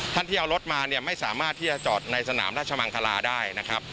ที่เอารถมาเนี่ยไม่สามารถที่จะจอดในสนามราชมังคลาได้นะครับ